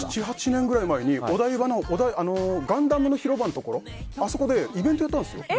７８年ぐらい前にお台場のガンダム広場のところであそこでイベントやったんです。